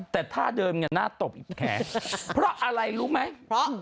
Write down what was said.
แต่ท่าเดิมงาน่าตบแขเพราะอะไรรู้ไหม